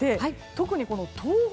特に東北